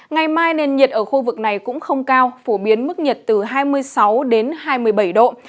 ngày mai nền nhiệt ở khu vực này cũng không cao phổ biến mức nhiệt từ hai mươi sáu đến hai mươi bảy độ